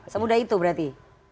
semudah itu berarti